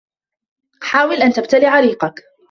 حاول أن تبتلع ريقك.